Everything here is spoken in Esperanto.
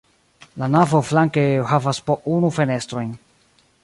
La navo flanke havas po unu fenestrojn.